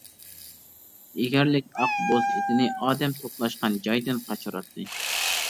ئېگەرلىك ئاق بوز ئېتىنى ئادەم توپلاشقان جايدىن قاچۇراتتى.